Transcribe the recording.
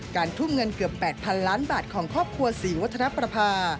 ทุ่มเงินเกือบ๘๐๐๐ล้านบาทของครอบครัวศรีวัฒนประภา